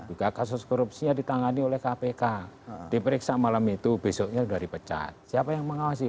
juga kasus korupsinya ditangani oleh kpk diperiksa malam itu besoknya sudah dipecat siapa yang mengawasi